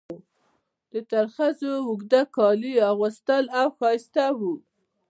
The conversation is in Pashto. د ترخزو اوږده کالي یې اغوستل او ښایسته وو.